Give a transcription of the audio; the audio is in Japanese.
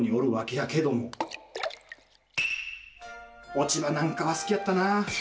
落ち葉なんかは好きやったなあ。